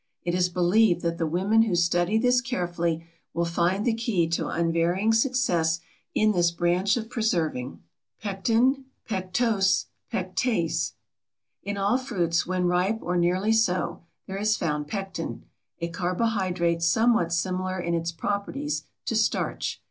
It is believed that the women who study this carefully will find the key to unvarying success in this branch of preserving. PECTIN, PECTOSE, PECTASE. In all fruits, when ripe or nearly so, there is found pectin, a carbohydrate somewhat similar in its properties to starch.